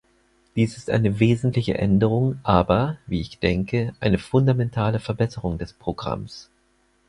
Dies ist eine wesentliche Änderung, aber, wie ich denke, eine fundamentale Verbesserung des Programms.